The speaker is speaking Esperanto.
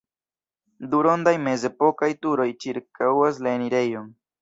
Du rondaj mezepokaj turoj ĉirkaŭas la enirejon.